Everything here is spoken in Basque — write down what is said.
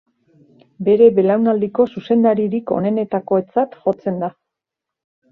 Bere belaunaldiko zuzendaririk onenetakotzat jotzen da.